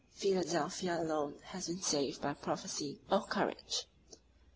Philadelphia alone has been saved by prophecy, or courage.